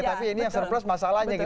tapi ini yang surplus masalahnya gitu